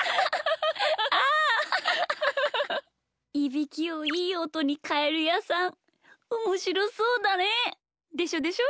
いびきをいいおとにかえるやさんおもしろそうだねえ。でしょでしょ？